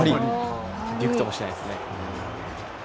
びくともしないですね。